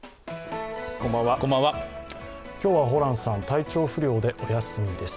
今日はホランさん、体調不良でお休みです。